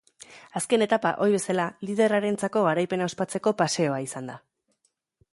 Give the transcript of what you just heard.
Azken etapa, ohi bezala, liderrarentzako garaipena ospatzeko paseoa izan da.